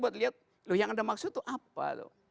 buat lihat yang ada maksud itu apa